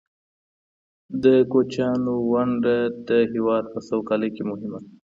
د کوچیانو ونډه د هیواد په سوکالۍ کې مهمه ده.